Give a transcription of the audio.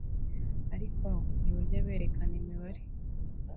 ariko ntibajya berekana imibare